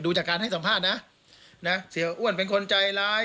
จากการให้สัมภาษณ์นะนะเสียอ้วนเป็นคนใจร้าย